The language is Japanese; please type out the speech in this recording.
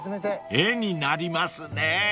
［絵になりますねぇ］